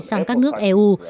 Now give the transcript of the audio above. sang các nước eu